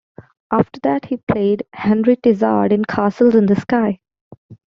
After that, he played Henry Tizard in "Castles in the Sky".